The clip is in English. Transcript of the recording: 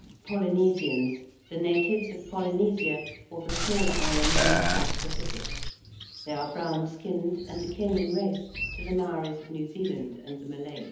~Polynesians~: the natives of Polynesia, or the smaller islands in the South Pacific. They are brown skinned, and akin in race to the Maories of New Zealand and the Malays.